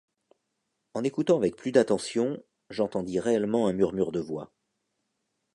En écoutant avec plus d’attention, j’entendis réellement un murmure de voix.